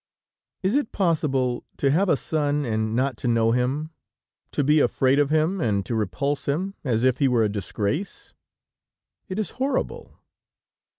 "Is it possible? To have a son, and not to know him; to be afraid of him and to repulse him as if he were a disgrace! It is horrible."